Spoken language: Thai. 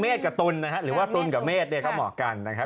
เมษกับตุนนะครับหรือว่าตุนกับเมษก็เหมาะกันนะครับ